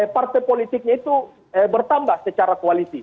partai politiknya itu bertambah secara koalisi